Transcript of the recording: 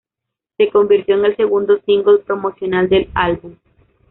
Se convirtió en el segundo single promocional del álbum.